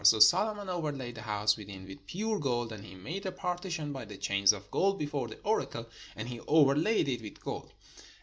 So Solomon overlaid the house within with pure gold: and he made a partition by the chains of gold before the oracle; and he overlaid it with gold.